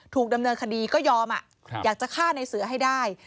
ถูกดำเนินคดีก็ยอมอยากจะฆ่าในเสือให้ได้